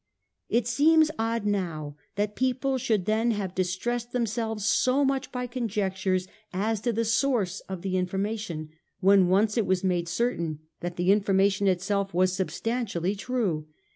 It seems odd now that people should then have dis tressed themselves so much by conjectures as to the source of the information when once it was made certain that the information itself was substantially true.